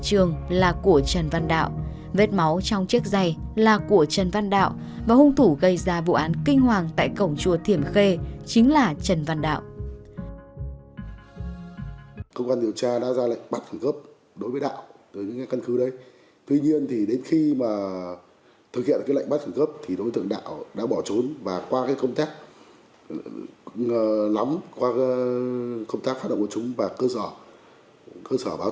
trường là của trần văn đạo vết máu trong chiếc giày là của trần văn đạo và hung thủ gây ra vụ án kinh hoàng tại cổng chùa thiểm khê chính là trần văn đạo